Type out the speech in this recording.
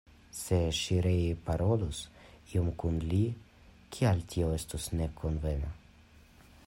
Se ŝi ree parolus iom kun li, kial tio estus ne konvena?